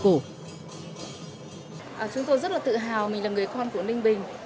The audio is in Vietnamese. chúng tôi rất là tự hào mình là người con của ninh bình